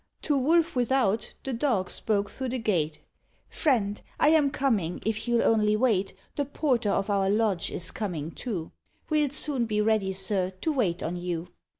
To Wolf without the Dog spoke through the gate: "Friend, I am coming, if you'll only wait; The porter of our lodge is coming, too, We'll soon be ready, sir, to wait on you."